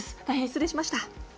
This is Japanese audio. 大変、失礼しました。